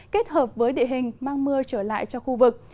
kết hợp với địa hình mang mưa trở lại cho khu vực